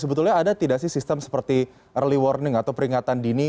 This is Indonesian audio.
sebetulnya ada tidak sih sistem seperti early warning atau peringatan dini